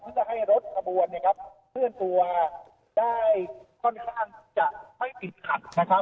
จะให้รถขบวนเคลื่อนตัวได้ค่อนข้างจะไม่ติดขัดนะครับ